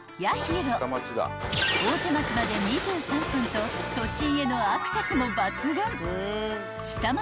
［大手町まで２３分と都心へのアクセスも抜群］